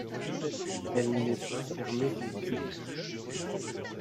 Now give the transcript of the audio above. Elle n'est pas fermée au culte.